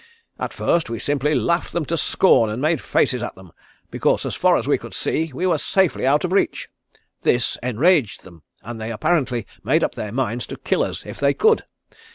At first we simply laughed them to scorn and made faces at them, because as far as we could see, we were safely out of reach. This enraged them and they apparently made up their minds to kill us if they could.